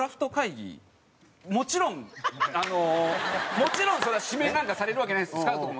もちろんもちろんそりゃ指名なんかされるわけないんですスカウトも。